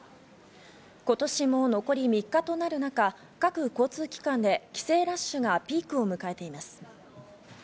今年も残り３日となる中、各交通機関で帰省ラッシュがピークを迎えています。